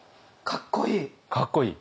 かっこいい？